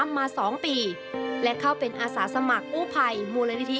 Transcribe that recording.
ชายุทธิบชิดหรือสันจบปวสอสาขาช่างยนต์จากเทคนิคสุราธารณี